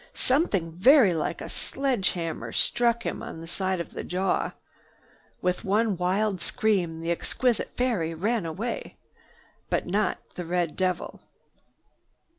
Something very like a sledge hammer struck him on the side of the jaw. With one wild scream, the exquisite fairy was away. But not the red devil.